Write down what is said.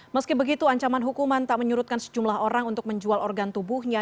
meski begitu ancaman hukuman tak menyurutkan sejumlah orang untuk menjual organ tubuhnya